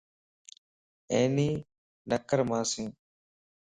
اينيَ نڪر مانسين